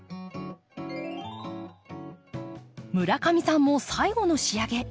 村上さんも最後の仕上げ。